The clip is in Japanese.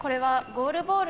ゴールボール？